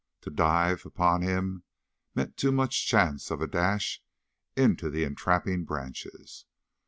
To dive upon him meant too much chance of a dash into the entrapping branches.